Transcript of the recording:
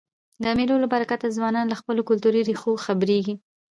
د مېلو له برکته ځوانان له خپلو کلتوري ریښو خبريږي.